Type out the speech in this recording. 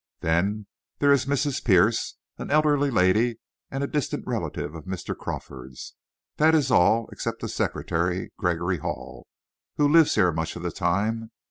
Then there is Mrs. Pierce, an elderly lady and a distant relative of Mr. Crawford's. That is all, except the secretary, Gregory Hall, who lives here much of the time.